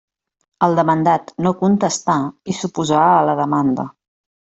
El demandat no contestà i s'oposà a la demanda.